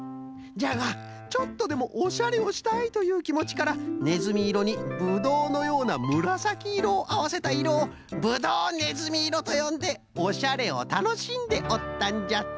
じゃがちょっとでもおしゃれをしたいというきもちからねずみいろにぶどうのようなむらさきいろをあわせたいろをぶどうねずみいろとよんでおしゃれをたのしんでおったんじゃと。